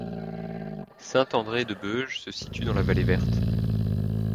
Saint-André-de-Boëge se situe dans la vallée Verte.